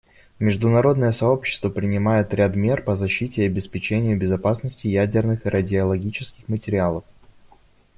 Международное сообщество принимает ряд мер по защите и обеспечению безопасности ядерных и радиологических материалов.